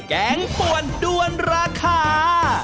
แกงป่วนด้วนราคา